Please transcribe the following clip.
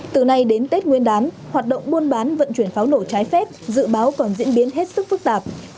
từ nay đến tết nguyên đán hoạt động buôn bán vận chuyển pháo nổ trái phép dự báo còn diễn biến hết sức phức tạp